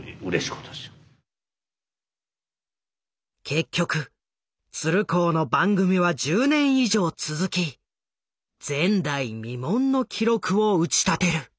結局鶴光の番組は１０年以上続き前代未聞の記録を打ち立てる。